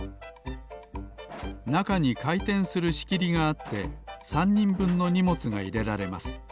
なかにかいてんするしきりがあって３にんぶんのにもつがいれられます。